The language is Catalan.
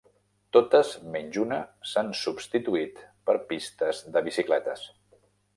Totes menys una s'han substituït per pistes de bicicletes.